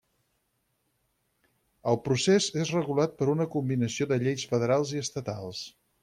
El procés és regulat per una combinació de lleis federals i estatals.